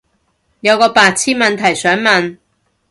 有個白癡問題想問